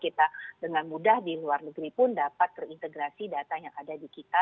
kita dengan mudah di luar negeri pun dapat terintegrasi data yang ada di kita